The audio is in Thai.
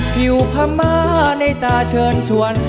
ผิวพม่าในตาเชิญชวน